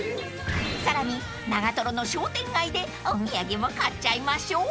［さらに長瀞の商店街でお土産も買っちゃいましょう］